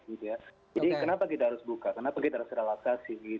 jadi kenapa kita harus buka kenapa kita harus relaksasi